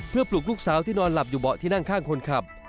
เพื่อปลุกลูกสาวที่นอนหลับอยู่เบาะที่นั่งข้างคนขับ